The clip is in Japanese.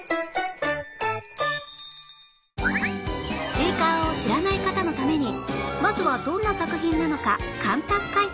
『ちいかわ』を知らない方のためにまずはどんな作品なのか簡単解説